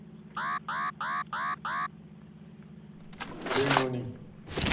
弁護人。